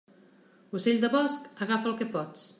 Ocell de bosc, agafa el que pots.